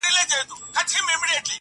پر وزر د توتکۍ به زېری سپور وي،